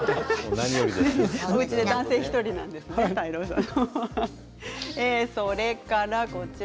おうちで男性１人なんですよね、泰郎さん。